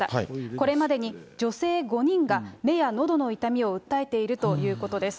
これまでに女性５人が目やのどの痛みを訴えているということです。